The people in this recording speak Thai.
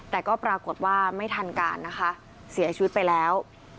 แต่ก็ปรากฏว่าไม่ทันการนะคะเสียชีวิตไปแล้ว